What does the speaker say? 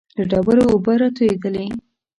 له ډبرو اوبه را تويېدلې.